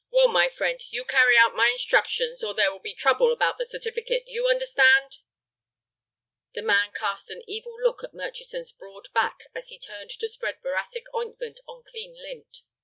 Well, my friend, you carry out my instructions or there will be trouble about the certificate. You understand?" The man cast an evil look at Murchison's broad back as he turned to spread boracic ointment on clean lint.